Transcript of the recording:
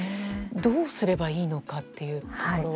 どうすればいいのかというところは。